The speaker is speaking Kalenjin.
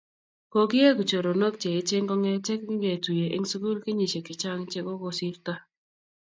Kokieku choronok che eechen kong'ete kingetuye eng' sukul kenyisyek chechang' che kokosirto